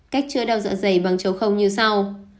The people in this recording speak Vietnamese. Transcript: cách chữa đau dạ dày bằng trầu không như sau